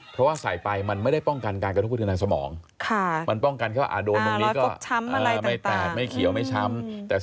เพราะว่าใส่ไปมันไม่ได้ป้องกันการกระทบผู้แทนสมองมันป้องกันแค่ว่าโดนตรงนี้ก็ไม่แตกไม่เขียวไม่ช้ำ